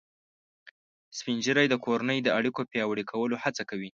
سپین ږیری د کورنۍ د اړیکو پیاوړي کولو هڅه کوي